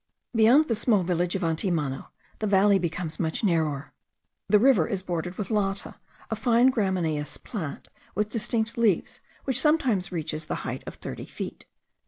Beyond the small village of Antimano the valley becomes much narrower. The river is bordered with Lata, a fine gramineous plant with distich leaves, which sometimes reaches the height of thirty feet.